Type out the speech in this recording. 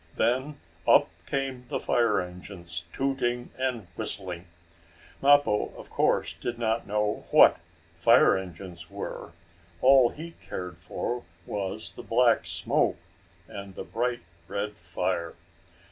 Then up came the fire engines, tooting and whistling. Mappo of course did not know what fire engines were. All he cared for was the black smoke, and the bright, red fire.